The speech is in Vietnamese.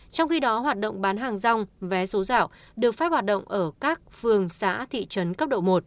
trong khi đó hoạt động bán hàng rong vé số dạo được phép hoạt động ở các phường xã thị trấn cấp độ một